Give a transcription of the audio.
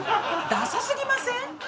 ダサすぎません？